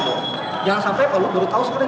jangan sampai kalau lu baru tahu sekalian